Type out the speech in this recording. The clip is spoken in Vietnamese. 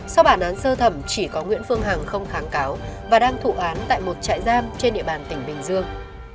sau bản án sơ thẩm chỉ có nguyễn phương hằng không kháng cáo và đang thụ án tại một trại giam trên địa bàn tỉnh bình dương